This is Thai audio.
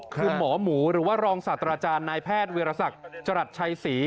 คือหมอหมูหรือว่ารองศาสตราจารย์นายแพทย์วิรสักจรัสชัยศรี